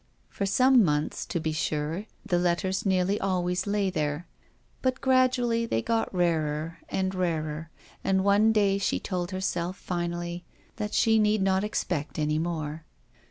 For some months, to be sure, the letters pretty nearly always lay there, but gradually they got rarer and rarer, and one day she told herself finally that she need not expect any more.